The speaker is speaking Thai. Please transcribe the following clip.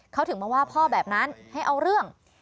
เขาถึงมาว่าพ่อแบบนั้นให้เอาเรื่อง